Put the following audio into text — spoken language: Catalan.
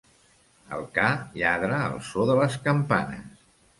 El ca lladra al so de les campanes.